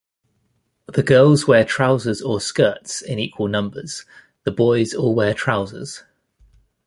The girls wear trousers or skirts in equal numbers; the boys all wear trousers.